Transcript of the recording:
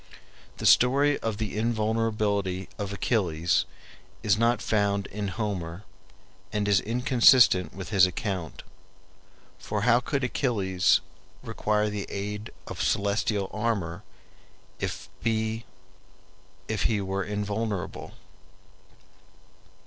[Footnote 1: The story of the invulnerability of Achilles is not found in Homer, and is inconsistent with his account. For how could Achilles require the aid of celestial armor if be were invulnerable?